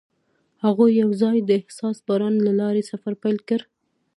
هغوی یوځای د حساس باران له لارې سفر پیل کړ.